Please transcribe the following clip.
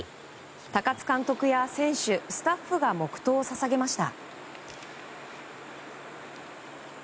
高津監督や選手、スタッフが黙祷を捧げました。